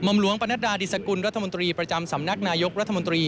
หลวงปนัดดาดิสกุลรัฐมนตรีประจำสำนักนายกรัฐมนตรี